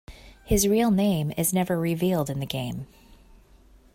His real name is never revealed in the game.